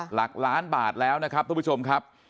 หลักล้านบาทแล้วนะครับทุกผู้ชมครับ